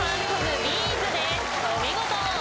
お見事！